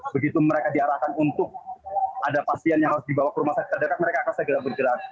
begitu mereka diarahkan untuk ada pasien yang harus dibawa ke rumah sakit terdekat mereka akan segera bergerak